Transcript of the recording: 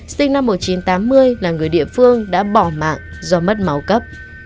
sinh năm một nghìn chín trăm tám mươi là người địa phương đã bỏ mạng do mất máu cấp